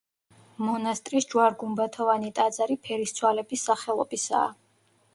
მონასტრის ჯვარგუმბათოვანი ტაძარი ფერისცვალების სახელობისაა.